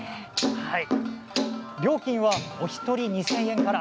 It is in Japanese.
料金はお一人２０００円から。